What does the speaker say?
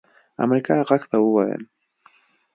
امريکا غږ ته وويل